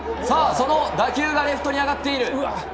その打球がレフトに上がっている。